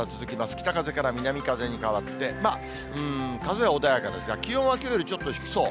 北風から南風に変わって、まあ、うーん、風は穏やかですが、気温はきょうよりちょっと低そう。